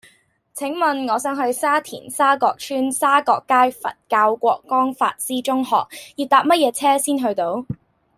請問我想去沙田沙角邨沙角街佛教覺光法師中學要搭乜嘢車先去到